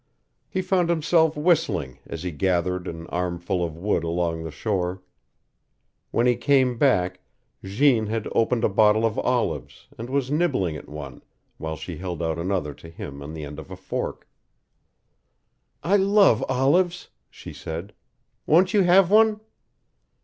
He found himself whistling as he gathered an armful of wood along the shore. When he came back Jeanne had opened a bottle of olives and was nibbling at one, while she held out another to him on the end of a fork. "I love olives," she said. "Won't you have one?"